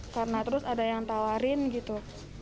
karena terus ada yang tawarin gitu